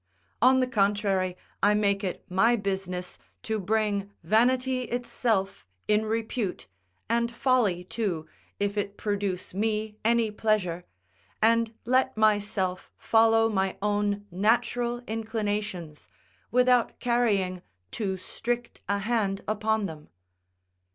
On the contrary, I make it my business to bring vanity itself in repute, and folly too, if it produce me any pleasure; and let myself follow my own natural inclinations, without carrying too strict a hand upon them.